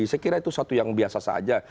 saya kira itu satu yang biasa saja